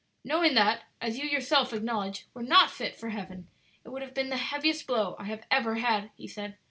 "Knowing that, as you yourself acknowledge, you were not fit for heaven, it would have been the heaviest blow I have ever had," he said.